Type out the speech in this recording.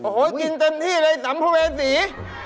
โอ้โฮกินเต็มที่เลยสำคุณเวรสี